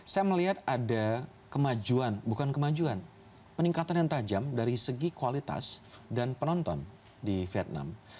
saya melihat ada kemajuan bukan kemajuan peningkatan yang tajam dari segi kualitas dan penonton di vietnam